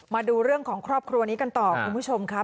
มาดูเรื่องของครอบครัวนี้กันต่อคุณผู้ชมครับ